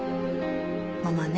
ママね